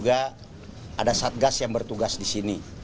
tiap hari juga ada satgas yang bertugas di sini